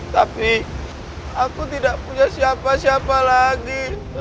tapi aku tidak punya siapa siapa lagi